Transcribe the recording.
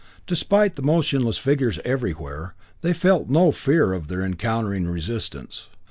Despite the motionless figures everywhere, they felt no fear of their encountering resistance.